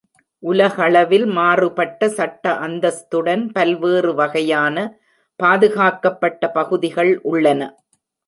உலகளவில், மாறுபட்ட சட்ட அந்தஸ்துடன் பல்வேறு வகையான பாதுகாக்கப்பட்ட பகுதிகள் உள்ளன.